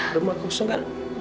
rumah kosong kan